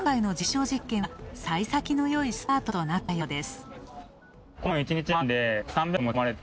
今回の実証実験は、幸先のよいスタートとなったようです。